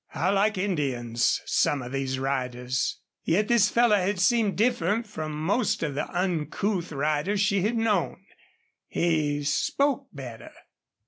How like Indians some of these riders! Yet this fellow had seemed different from most of the uncouth riders she had known. He spoke better.